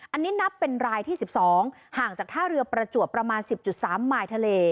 อันนี้นับเป็นรายที่๑๒ห่างจากท่าเรือประจวบประมาณ๑๐๓มายทะเล